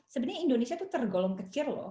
sebenarnya indonesia itu tergolong kecil loh